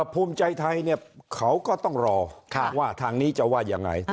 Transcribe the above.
ภูมิใจไทยเขาก็ต้องรอว่าทางนี้จะว่ายังไง